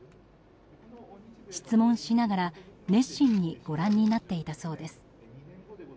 質問しながら、熱心にご覧になっていたそうです。